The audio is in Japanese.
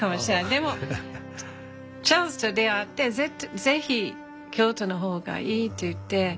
でもチャールズと出会って是非京都の方がいいって言って。